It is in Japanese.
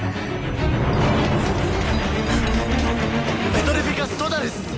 ペトリフィカス・トタルス！